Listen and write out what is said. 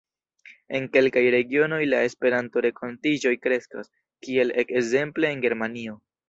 En kelkaj regionoj la Esperanto-renkontiĝoj kreskas, kiel ekzemple en Germanio.